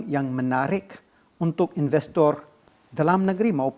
yang menarik untuk investor dalam negeri menurut saya